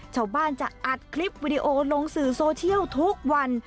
ชาวบ้านจะอัดคลิปวิดีโอลงสื่อโซเชียลทุกวัน